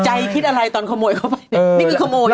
ใจคิดอะไรตอนขโมยเขาไปนี่คือขโมยนะ